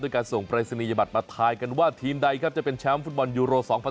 การส่งปรายศนียบัตรมาทายกันว่าทีมใดครับจะเป็นแชมป์ฟุตบอลยูโร๒๐๑๖